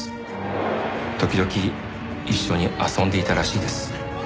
時々一緒に遊んでいたらしいです。